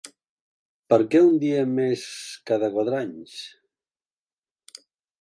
Per què un dia més cada quatre anys?